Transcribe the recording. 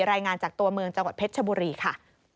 รายงานจากตัวเมืองจังหวัดเพชรชบุรีค่ะ